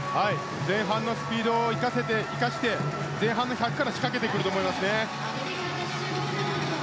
前半のスピードを生かして前半の１００から仕掛けてくると思いますね。